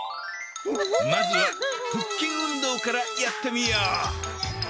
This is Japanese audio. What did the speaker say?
まずは腹筋運動からやってみよう。